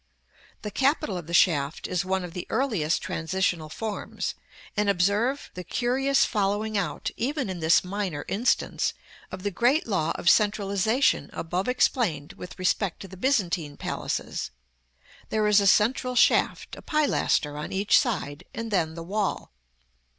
The capital of the shaft is one of the earliest transitional forms; and observe the curious following out, even in this minor instance, of the great law of centralization above explained with respect to the Byzantine palaces. There is a central shaft, a pilaster on each side, and then the wall.